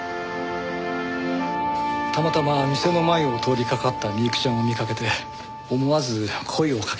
たまたま店の前を通りかかった美雪ちゃんを見かけて思わず声をかけました。